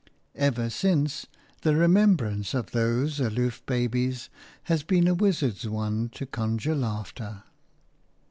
Ever since, the remembrance of those aloof babies has been a wizard's wand to conjure laughter.